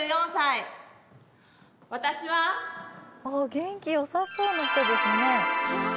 元気よさそうな人ですね。